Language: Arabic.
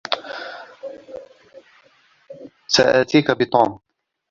سآتيك بتوم.